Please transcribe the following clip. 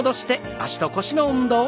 脚と腰の運動です。